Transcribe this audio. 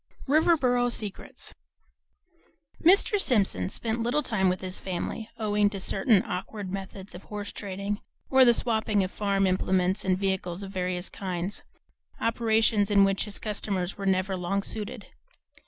VII RIVERBORO SECRETS Mr. Simpson spent little time with his family, owing to certain awkward methods of horse trading, or the "swapping" of farm implements and vehicles of various kinds, operations in which his customers were never long suited.